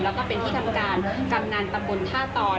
แล้วก็เป็นที่ทำการกำนันตำบลท่าตอน